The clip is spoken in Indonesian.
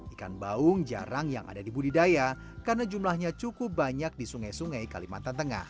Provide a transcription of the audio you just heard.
ikan baung jarang yang ada di budidaya karena jumlahnya cukup banyak di sungai sungai kalimantan tengah